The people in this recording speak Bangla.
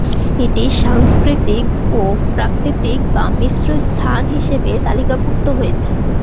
এটি সাংস্কৃতিক ও প্রাকৃতিক বা মিশ্র স্থান হিসেবে তালিকাভূক্ত হয়েছে।